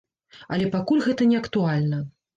Але пакуль гэта не актуальна.